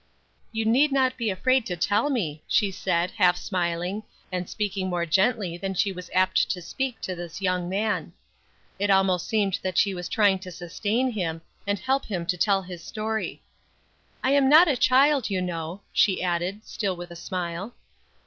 "You need not be afraid to tell me," she said, half smiling, and speaking more gently than she was apt to speak to this young man. It almost seemed that she was trying to sustain him, and help him to tell his story. "I am not a child you know," she added, still with a smile.